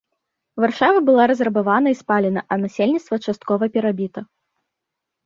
Варшава была разрабавана і спалена, а насельніцтва часткова перабіта.